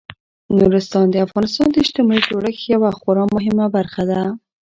نورستان د افغانستان د اجتماعي جوړښت یوه خورا مهمه برخه ده.